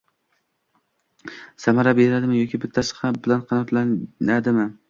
Samara beradimi yoki bittasi bilan qanoatlanadimi.